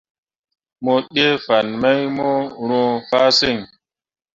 Mo ɗee fan mai mu roo fah siŋ.